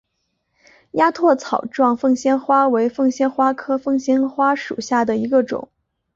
鸭跖草状凤仙花为凤仙花科凤仙花属下的一个种。